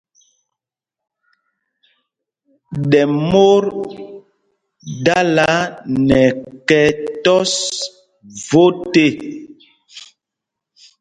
Ɗɛ mot dala nɛ ɛkɛ́ tɔ́s vot ê.